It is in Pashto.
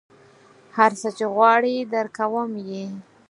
هر څه چې غواړې درکوم یې.